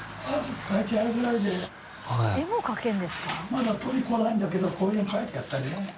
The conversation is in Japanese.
まだ取りに来ないんだけどこれ描いてやったでね。